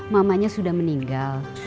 mamanya sudah meninggal